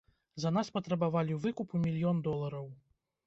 За нас патрабавалі выкуп у мільён долараў.